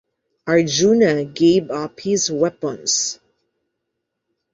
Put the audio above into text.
Arjuna gave up his weapons.